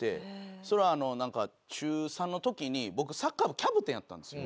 それはなんか中３の時に僕サッカー部キャプテンやったんですよ。